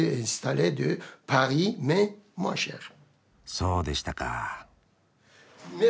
そうでしたか。